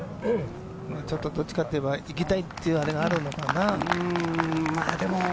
どっちかといえば行きたいというアレがあるのかな。